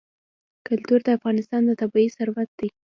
کلتور د افغانستان طبعي ثروت دی.